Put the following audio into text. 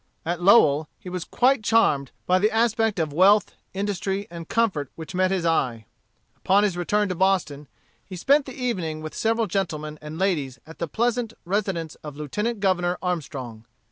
At Lowell, he was quite charmed by the aspect of wealth, industry, and comfort which met his eye. Upon his return to Boston, he spent the evening, with several gentlemen and ladies at the pleasant residence of Lieutenant Governor Armstrong.